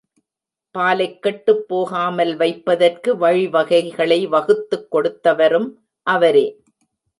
பாலைக் கெட்டுப் போகாமல் வைப்பதற்கு வழி வகைகளை வகுத்துக் கொடுத்தவரும் அவரே!